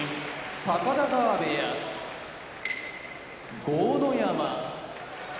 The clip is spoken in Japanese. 高田川部屋豪ノ山